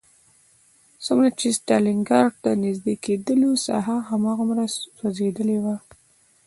څومره چې ستالینګراډ ته نږدې کېدلو ساحه هغومره سوځېدلې وه